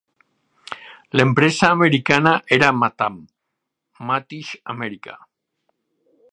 L'empresa americana era Matam, Mathis-America.